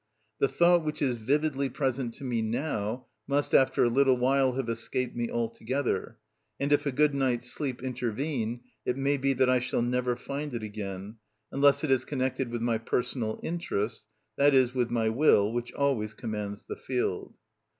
The thought which is vividly present to me now must after a little while have escaped me altogether; and if a good night's sleep intervene, it may be that I shall never find it again, unless it is connected with my personal interests, that is, with my will, which always commands the field.